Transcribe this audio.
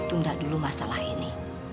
tunda dulu masalah ini